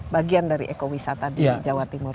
bagian dari ekowisata di jawa timur